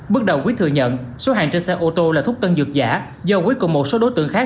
bước đầu quý thừa nhận số hàng trên xe ô tô là thuốc tân dược giả do quý cùng một số đối tượng khác